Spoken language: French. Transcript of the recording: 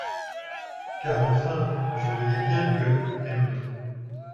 Car enfin, je voyais bien que M.